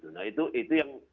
nah itu yang